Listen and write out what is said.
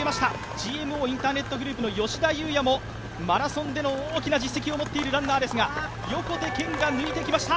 ＧＭＯインターネットグループの吉田祐也もマラソンでの大きな実績を持っているランナーですが横手健が抜いてきました。